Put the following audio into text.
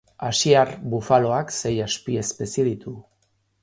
Asiar bufaloak sei azpiespezie ditu.